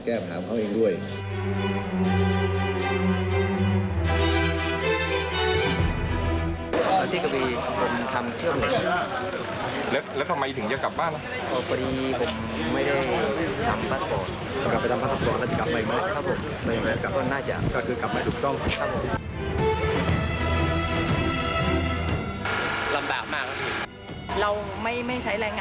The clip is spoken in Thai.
กับ๔แสนถึง๘แสน